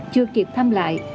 chưa kịp thăm lại